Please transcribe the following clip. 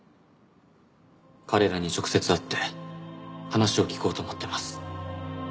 彼らに直接会って話を聞こうと思っています。